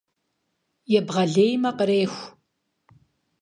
Ебгъэлеймэ — къреху.